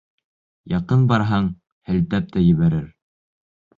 Яҡын барһаң, һелтәп тә ебәрер.